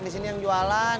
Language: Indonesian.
di sini yang jualan